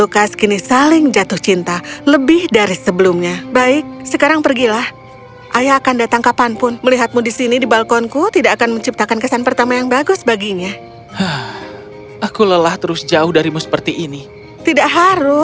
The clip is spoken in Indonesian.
kerajaan yang sangat jauh